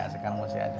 ya sekarang masih ada